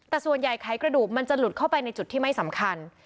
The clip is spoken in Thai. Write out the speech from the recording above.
แต่ส่วนใหญ่ไขกระดูกมันจะหลุดเข้าไปในจุดที่ไม่สำคัญ